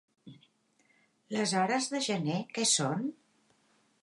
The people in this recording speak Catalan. Les hores de gener què són?